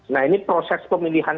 nah ini proses pemilihan